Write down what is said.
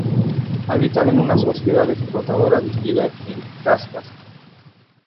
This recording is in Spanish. Habitan en una sociedad explotadora dividida en castas.